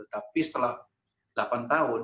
tapi setelah delapan tahun